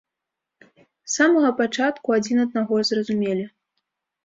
З самага пачатку адзін аднаго зразумелі.